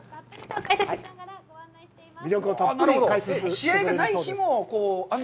試合がない日も。